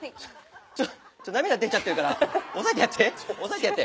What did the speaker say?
ちょっと涙出ちゃってるから押さえてやって。